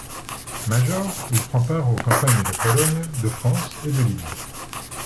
Major, il prend part aux campagnes de Pologne, de France et de Libye.